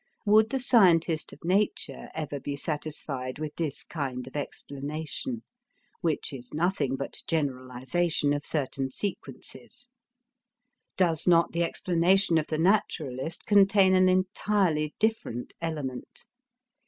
Would the scientist of nature ever be satisfied with this kind of explanation, which is nothing but generalization of certain sequences? Does not the explanation of the naturalist contain an entirely different element?